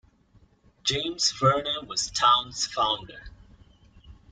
James Verner was town's founder.